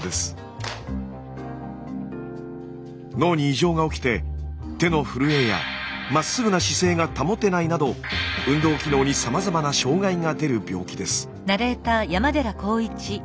脳に異常が起きて手の震えやまっすぐな姿勢が保てないなど運動機能にさまざまな障害が出る病気です。